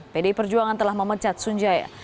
pdi perjuangan telah memecat sunjaya